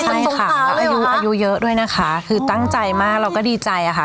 ใช่ค่ะแล้วอายุเยอะด้วยนะคะคือตั้งใจมากเราก็ดีใจค่ะ